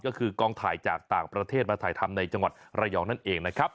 ก็คือกองถ่ายจากต่างประเทศมาถ่ายทำในจังหวัดระยองนั่นเองนะครับ